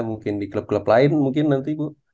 mungkin di klub klub lain mungkin nanti bu